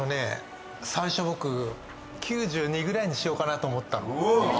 最初僕９２ぐらいにしようかなと思ったの。